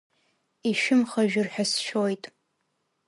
Ишәымхажәыр ҳәа сшәоит.